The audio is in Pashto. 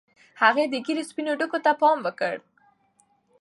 هغه د ږیرې سپینو ډکو ته پام وکړ.